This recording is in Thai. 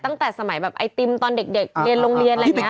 ตั้งแต่สมัยแบบไอติมตอนเด็กเรียนโรงเรียนอะไรอย่างนี้